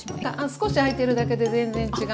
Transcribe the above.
少し開いてるだけで全然違うので。